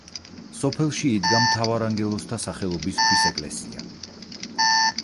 სოფელში იდგა მთავარანგელოზთა სახელობის ქვის ეკლესია.